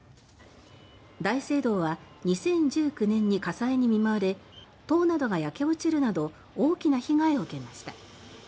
大聖堂は２０１９年に火災に見舞われ塔などが焼け落ちるなど大きな被害を受けました。